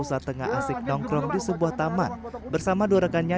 saat tengah asik nongkrong di sebuah taman bersama dua rekannya